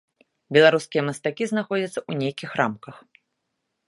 Беларускія мастакі знаходзяцца ў нейкіх рамках.